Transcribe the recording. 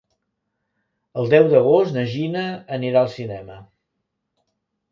El deu d'agost na Gina anirà al cinema.